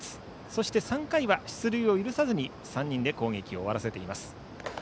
そして３回は出塁を許さずに３人で攻撃を終わらせています。